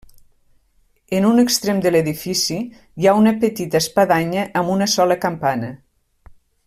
En un extrem de l'edifici hi ha una petita espadanya amb una sola campana.